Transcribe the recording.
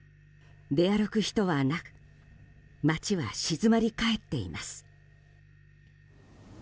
出歩く人はなく街は静まり返っています。